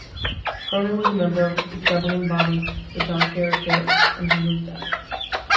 Cronin was a member of its governing body, the Toscaireacht, until his death.